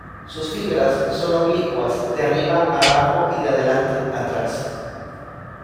Sus fibras son oblicuas de arriba abajo y de adelante atrás.